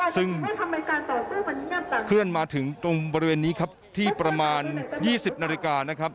ซึ่งเคลื่อนมาถึงตรงบริเวณนี้ที่ประมาณ๒๐นาฬิกา